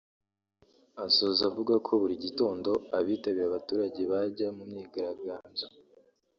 Asoza avuga ko buri gitondo abitabira abaturage bajya mu myigaragambyo